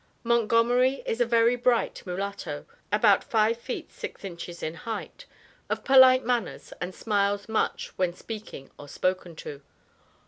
MONTGOMERY is a very bright mulatto, about five feet, six inches in height, of polite manners, and smiles much when speaking or spoken to.